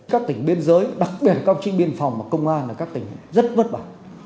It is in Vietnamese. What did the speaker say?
các tỉnh biên giới đặc biệt các tỉnh biên phòng và công an là các tỉnh rất vất vả